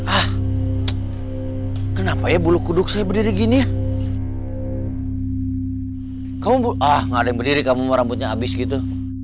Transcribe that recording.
ah kenapa ya bulu kuduk saya berdiri gini ya kamu ah nggak ada yang berdiri kamu rambutnya abis gitu